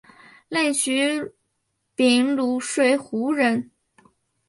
沮渠秉卢水胡人。